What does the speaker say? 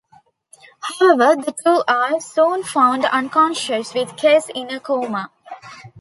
However, the two are soon found unconscious, with Kes in a coma.